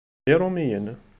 D irumyyin